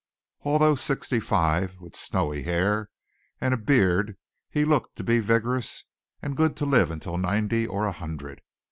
Although sixty five and with snowy hair and beard he looked to be vigorous, and good to live until ninety or a hundred.